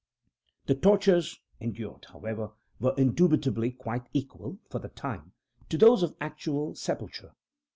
The tortures endured, however, were indubitably quite equal for the time, to those of actual sepulture.